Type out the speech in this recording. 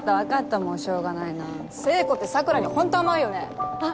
もうしょうがな聖子って桜にホント甘いよねあっ